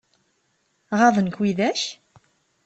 Ɣaḍen-k widak?